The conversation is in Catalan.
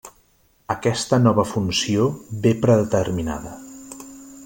Aquesta nova funció ve predeterminada.